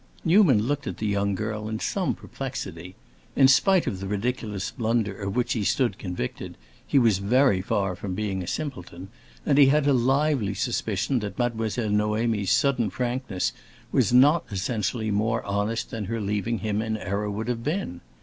Newman looked at the young girl in some perplexity. In spite of the ridiculous blunder of which he stood convicted, he was very far from being a simpleton, and he had a lively suspicion that Mademoiselle Noémie's sudden frankness was not essentially more honest than her leaving him in error would have been.